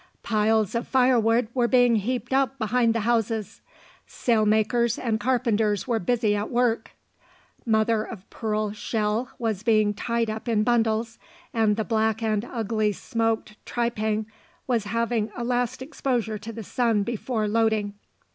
Piles of firewood were being heaped up behind the houses; sail makers and carpenters were busy at work; mother of pearl shell was being tied up in bundles, and the black and ugly smoked tripang was having a last exposure to the sun before loading.